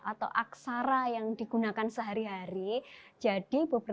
atau aksara yang digunakan sehari hari tapi itu adalah bahasa yang diperlukan untuk mempelajari